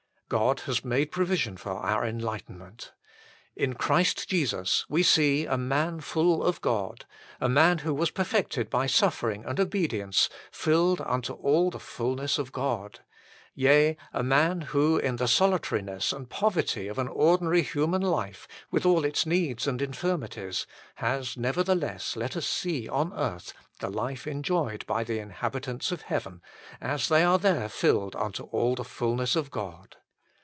God has made provision for our enlightenment. In Christ Jesus we see a man full of God, a man who was perfected by suffering and obedience, filled unto all the fulness of God : yea, a man who in the solitari ness and poverty of an ordinary human life, with all its needs and infirmities, has nevertheless let us see on earth the life enjoyed by the inhabitants of heaven, as they are there filled unto all the fulness of God.